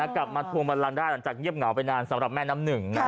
กลับมาทวงบันลังได้หลังจากเงียบเหงาไปนานสำหรับแม่น้ำหนึ่ง